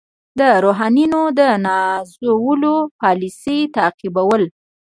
د روحانیونو د نازولو پالیسي تعقیبول.